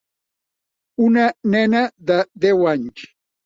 Una nena de deu anys.